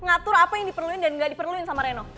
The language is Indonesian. apa yang diperluin dan ga diperluin sama reno